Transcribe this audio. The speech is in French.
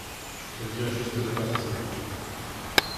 Elle vient juste de partir.